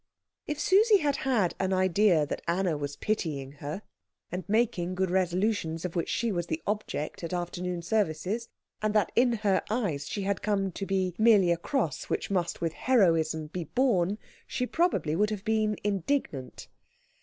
If Susie had had an idea that Anna was pitying her, and making good resolutions of which she was the object at afternoon services, and that in her eyes she had come to be merely a cross which must with heroism be borne, she probably would have been indignant.